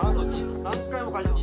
何回も書いてます。